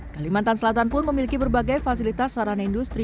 kalimantan selatan pun memiliki berbagai fasilitas sarana industri